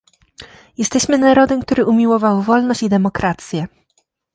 Jesteśmy narodem, który umiłował wolność i demokrację